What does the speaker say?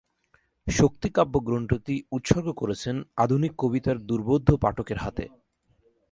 শক্তি কাব্যগ্রন্থটি উৎসর্গ করেছেন 'আধুনিক কবিতার দুর্বোধ্য পাঠকের হাতে'।